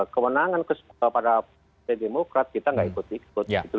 kemenangan pada partai demokrat kita nggak ikut ikut